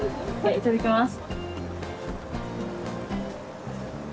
いただきます！